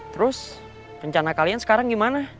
terus rencana kalian sekarang gimana